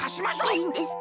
いいんですか！？